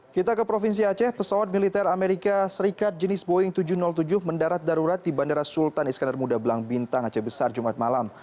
kita ke provinsi aceh pesawat militer amerika serikat jenis boeing tujuh ratus tujuh mendarat darurat di bandara sultan iskandar muda belang bintang aceh besar jumat malam